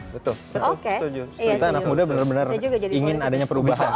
kita anak muda bener bener ingin adanya perubahan